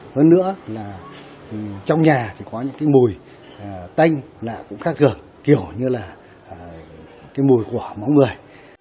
hơn nữa là trong nhà có những mùi tanh cũng khác kiểu như là mùi của máu người